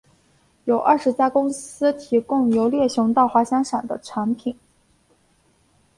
有二十家公司提供由猎熊到滑翔伞的产品。